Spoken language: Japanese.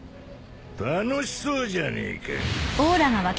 楽しそうじゃねえか。